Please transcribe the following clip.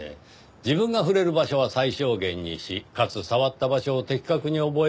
自分が触れる場所は最小限にしかつ触った場所を的確に覚えておいて拭き取った。